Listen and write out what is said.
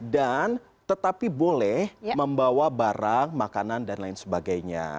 dan tetapi boleh membawa barang makanan dan lain sebagainya